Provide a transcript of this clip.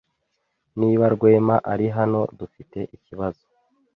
Niba Rwema ari hano, dufite ikibazo.